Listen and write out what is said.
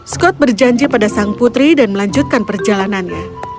skot berjanji pada sang putri dan melanjutkan perjalanannya